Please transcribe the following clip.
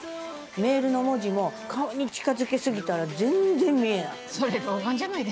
メールの文字も顔に近づけすぎたら全然見えない。